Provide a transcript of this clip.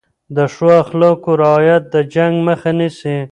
د ښو اخلاقو رعایت د جنګ مخه نیسي.